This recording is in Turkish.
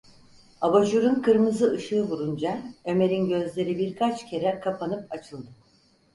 Abajurun kırmızı ışığı vurunca Ömer’in gözleri birkaç kere kapanıp açıldı.